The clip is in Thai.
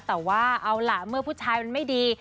แต่ว่าเอาล่ะเมื่อผู้ชายมันไม่ดี